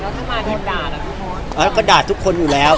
แล้วก็ด่าทุกคนอยู่แล้ว